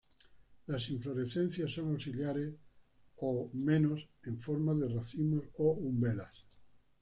Lass inflorescencias son axilares o menos, en forma de racimos o umbelas.